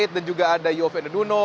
dan juga ada yofen nduno